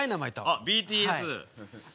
あＢＴＳ。